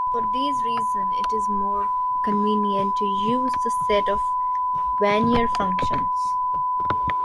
For these reasons, it is more convenient to use the set of Wannier functions.